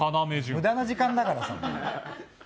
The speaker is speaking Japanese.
無駄な時間だからさ。